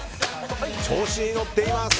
調子に乗っています。